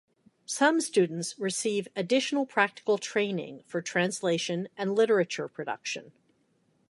Some students receive additional practical training for translation and literature production.